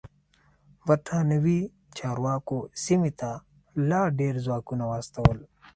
برېتانوي چارواکو سیمې ته لا ډېر ځواکونه واستول.